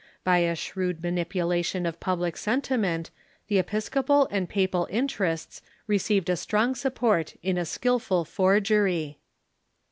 By a shrewd manipulation of public sentiment the episcopal and papal interests received a strong support in a skilful forgery.